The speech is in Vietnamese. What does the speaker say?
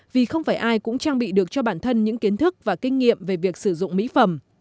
vì không phải ai cũng trang bị được cho bản thân những kiến thức và kinh nghiệm về việc sử dụng mỹ phẩm